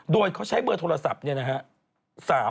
โดยเขาใช้เบอร์โทรศัพท์เนี่ยนะฮะ